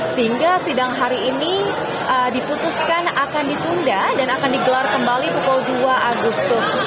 sehingga sidang hari ini diputuskan akan ditunda dan akan digelar kembali pukul dua agustus